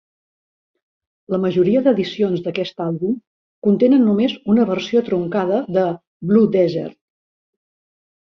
La majoria d'edicions d'aquest àlbum contenen només una versió truncada de "Blue Desert".